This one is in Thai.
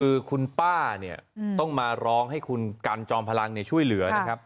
คือคุณป้าเนี่ยต้องมาร้องให้คุณกันจอมพลังช่วยเหลือนะครับ